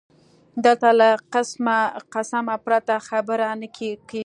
دلته له قسمه پرته خبره نه کېږي